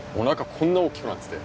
こんな大きくなってて。